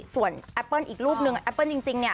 ส่วนแอปเปิ้ลอีกรูปนึงแอปเปิ้ลจริงเนี่ย